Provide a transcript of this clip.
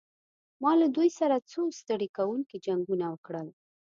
ما له دوی سره څو ستړي کوونکي جنګونه وکړل.